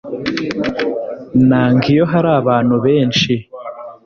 Nanga iyo hari abantu benshi